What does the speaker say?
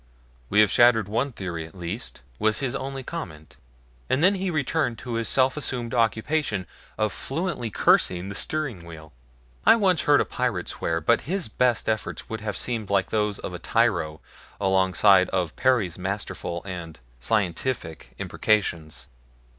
"We have shattered one theory at least," was his only comment, and then he returned to his self assumed occupation of fluently cursing the steering wheel. I once heard a pirate swear, but his best efforts would have seemed like those of a tyro alongside of Perry's masterful and scientific imprecations.